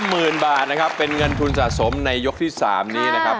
หมื่นบาทนะครับเป็นเงินทุนสะสมในยกที่๓นี้นะครับ